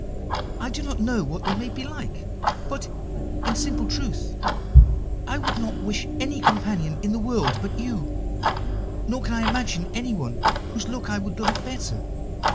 I do not know what they may be like, but, in simple truth, I would not wish any companion in the world but you, nor can I imagine anyone whose look I would like better.